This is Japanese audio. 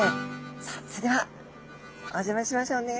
さあそれではお邪魔しましょうね。